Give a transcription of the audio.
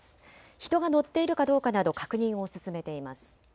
人が乗っているかどうかなど確認を進めています。